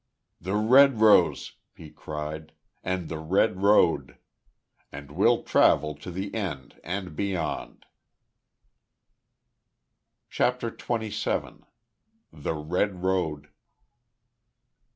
"The red rose!" he cried. "And the Red Road! And we'll travel to the end, and beyond!" CHAPTER TWENTY SEVEN. THE RED ROAD.